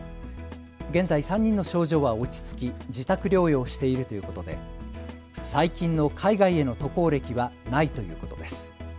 現在、３人の症状は落ち着き自宅療養しているということで最近の海外への渡航歴はないということです。